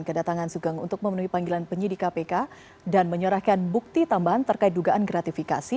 kedatangan sugeng untuk memenuhi panggilan penyidik kpk dan menyerahkan bukti tambahan terkait dugaan gratifikasi